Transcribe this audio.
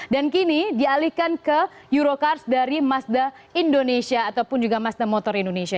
dan kini dialihkan ke eurocars dari mazda indonesia ataupun juga mazda motor indonesia